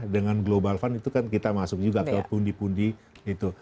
dengan global fund itu kan kita masuk juga ke pundi pundi itu